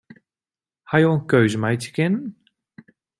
Hawwe jo in keuze meitsje kinnen?